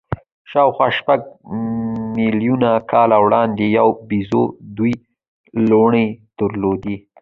شاوخوا شپږ میلیونه کاله وړاندې یوې بیزو دوې لوڼې درلودې.